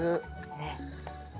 ねっ。